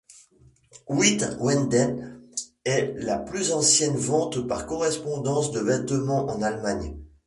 Witt Weiden est la plus ancienne vente par correspondance de vêtements en Allemagne.